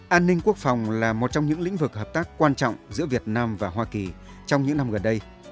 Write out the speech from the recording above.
an ninh quốc phòng là một trong những lĩnh vực hợp tác quan trọng giữa việt nam và hoa kỳ trong những năm gần đây